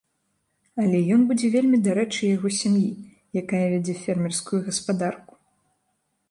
Але ён будзе вельмі дарэчы яго сям'і, якая вядзе фермерскую гаспадарку.